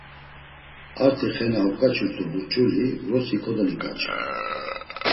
Arti xe na oǩaçurt̆u burç̌uli vrosi kodoliǩaçu.